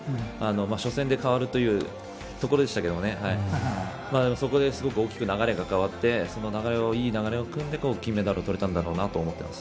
初戦で変わるというところでしたけどそこですごく大きく流れが変わってそのいい流れで金メダルをとれたんだろうと思ってます。